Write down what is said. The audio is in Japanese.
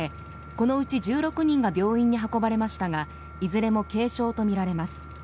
このうち１６人が病院に運ばれましたがいずれも軽傷とみられます。